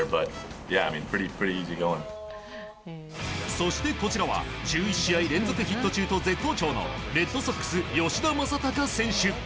そしてこちらは１１試合連続ヒット中と絶好調のレッドソックス吉田正尚選手。